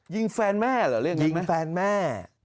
ยิงแฟนแม่หรือเรื่องนั้นมั้ยยิงแฟนแม่